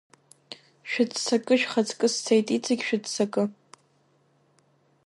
Шәыццакы, шәхаҵкы сцеит, иҵегь шәыццакы!